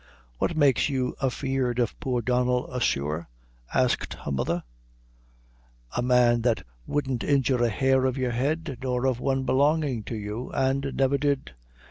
"What makes you afeard of poor Donnel, asthore?" asked her mother "a man that wouldn't injure a hair of your head, nor of one belongin' to you, an' never did."